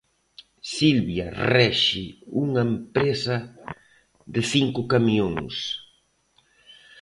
Silvia rexe unha empresa de cinco camións.